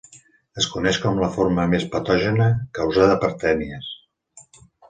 Es coneix com la forma més patògena causada per tènies.